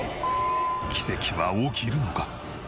奇跡は起きるのか？